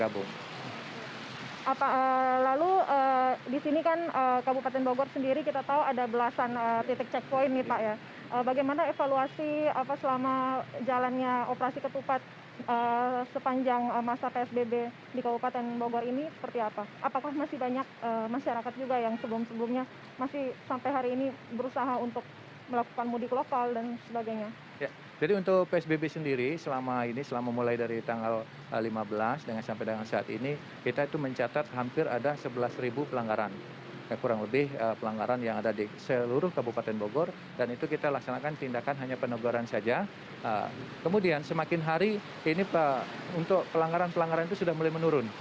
barusan ada gempa tapi